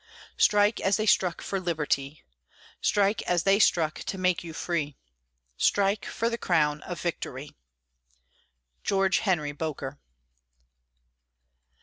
Strike as they struck for liberty! Strike as they struck to make you free! Strike for the crown of victory! GEORGE HENRY BOKER.